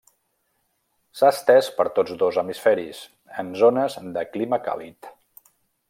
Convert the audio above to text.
S'ha estès per tots dos hemisferis, en zones de clima càlid.